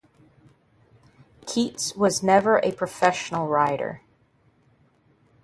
Keats was never a professional writer.